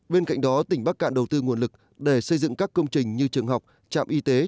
bên cạnh đó tỉnh bắc cạn đầu tư nguồn lực để xây dựng các công trình như trường học trạm y tế